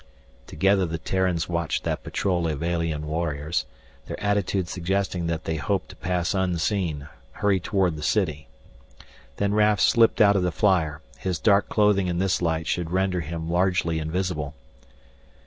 Together the Terrans watched that patrol of alien warriors, their attitude suggesting that they hoped to pass unseen, hurry toward the city. Then Raf slipped out of the flyer. His dark clothing in this light should render him largely invisible.